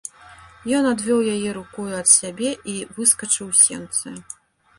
Ён адвёў яе рукою ад сябе і выскачыў у сенцы.